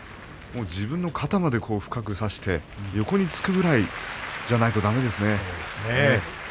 自分の肩まで深く差して横につくくらいじゃないとだめですね。